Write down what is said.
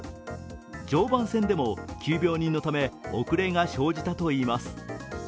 常磐線でも急病人のため遅れが生じたといいます。